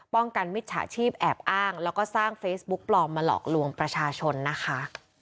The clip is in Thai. กันมิจฉาชีพแอบอ้างแล้วก็สร้างเฟซบุ๊กปลอมมาหลอกลวงประชาชนนะคะ